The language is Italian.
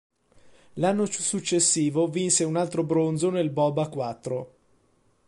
L'anno successivo vinse un altro bronzo nel bob a quattro.